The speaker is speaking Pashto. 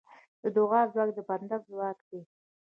د دعا ځواک د بنده ځواک دی.